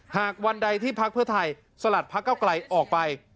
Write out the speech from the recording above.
หากวันใดที่พักเพื่อไทยสลัดพักเก้าไกลออกไป